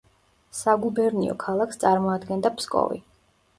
საგუბერნიო ქალაქს წარმოადგენდა ფსკოვი.